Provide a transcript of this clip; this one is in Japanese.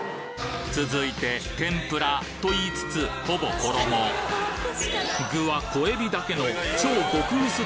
続いて天ぷらと言いつつ具は小エビだけの超極薄